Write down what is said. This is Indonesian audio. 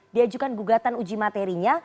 diajukan gugatan uji materinya